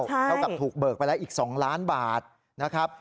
เท่ากับถูกเบิกไปแล้วอีก๒ล้านบาทนะครับ